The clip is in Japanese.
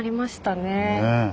ねえ。